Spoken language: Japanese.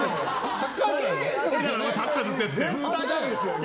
サッカー経験者ですからね。